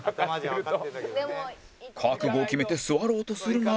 覚悟を決めて座ろうとするが